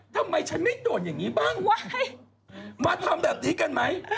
ทำไมฉันไม่โดนอย่างนี้บ้างวะมาทำแบบนี้กันไหม